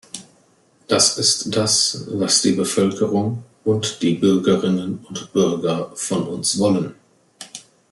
Das ist das, was die Bevölkerung und die Bürgerinnen und Bürger von uns wollen!